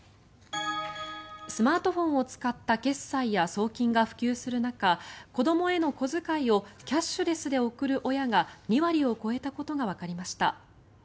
スマートフォンを使った決済や送金が普及する中子どもへの小遣いをキャッシュレスで送る親が２割を超えたことがわかりました。